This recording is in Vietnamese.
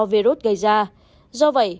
virus gây ra do vậy